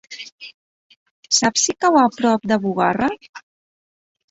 Saps si cau a prop de Bugarra?